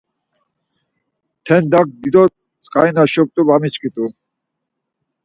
Tendak dido tzǩari na şums var miçkit̆u.